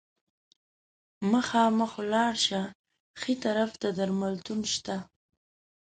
مخامخ ولاړ شه، ښي طرف ته درملتون شته.